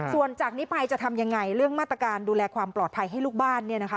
ส่วนจากนี้ไปจะทำยังไงเรื่องมาตรการดูแลความปลอดภัยให้ลูกบ้านเนี่ยนะคะ